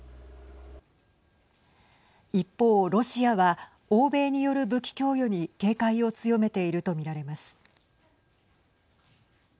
一方、ロシアは欧米による武器供与に警戒を強めているとみられます。